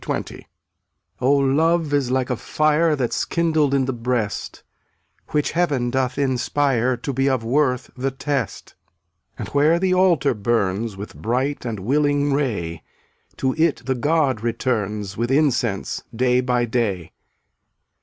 0un<j 241 Oh, love is like a fire (ftttt/ll* That's kindled in the breast, „ Which Heaven doth inspire \j*£' To be of worth the test. And where the altar burns With bright and willing ray, To it the god returns With incense day by day.